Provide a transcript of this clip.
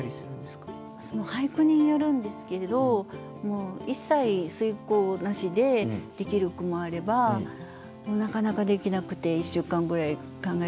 俳句によるんですけれどもう一切推敲なしでできる句もあればなかなかできなくて１週間ぐらい考えることもあります。